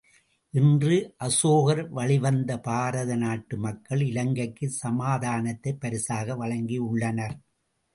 இன்று அசோகர் வழி வந்த பாரத நாட்டு மக்கள், இலங்கைக்குச் சமாதானத்தைப் பரிசாக வழங்கியுள்ளனர்.